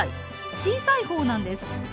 小さい方なんです。